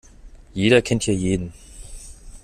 Jeder kennt hier jeden.